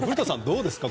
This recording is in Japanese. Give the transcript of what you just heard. どうですか？